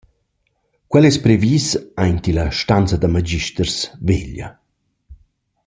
Quel es previs aint illa stanza da magisters veglia.